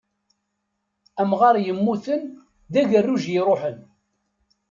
Amɣar yemmuten, d agerruj i yeṛuḥen.